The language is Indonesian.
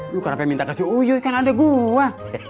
lu kenapa minta kasih ujuk kan ada gua